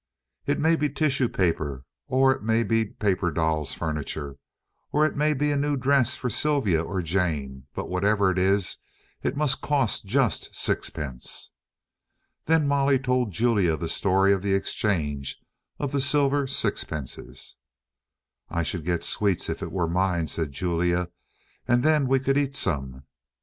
"It may be tissue paper, or it may be paper dolls' furniture, or it may be a new dress for Sylvia or Jane, but whatever it is, it must cost just sixpence." Then Molly told Julia the story of the exchange of the silver sixpences. "I should get sweets if it were mine," said Julia, "and then we could eat some."